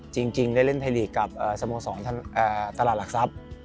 จริงได้เล่นไทยลีกกับสโมสรตลาดหลักทรัพย์